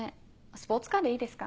スポーツカーでいいですか？